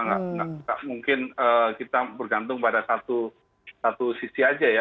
tidak mungkin kita bergantung pada satu sisi saja ya